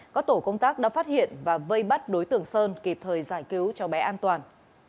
có tổ công tác đã phát hiện và vây bắt đối tượng sơn kịp thời giải cứu cho bé an toàn